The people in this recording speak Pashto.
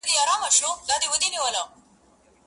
هغه چي ته یې د غیرت له افسانو ستړی سوې،